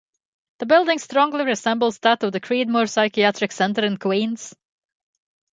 The building strongly resembles that of the Creedmoor Psychiatric Center in Queens.